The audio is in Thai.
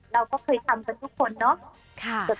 เราก็เคยทำกันทุกคนเนาะ